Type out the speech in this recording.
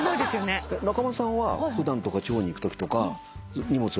仲間さんは普段とか地方に行くときとか荷物はどうですか？